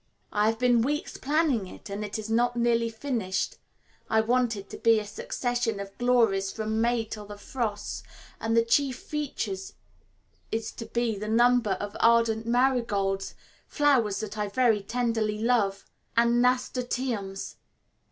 I have been weeks planning it, and it is not nearly finished. I want it to be a succession of glories from May till the frosts, and the chief feature is to be the number of "ardent marigolds" flowers that I very tenderly love and nasturtiums.